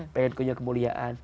pengen punya kemuliaan